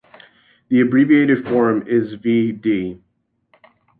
The abbreviated form is v.d.